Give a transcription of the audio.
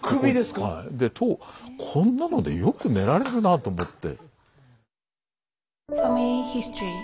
でこんなのでよく寝られるなあと思って。